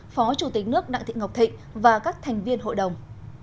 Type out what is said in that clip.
phó chủ tịch nước đặng thị ngọc thịnh và các thành viên hội đồng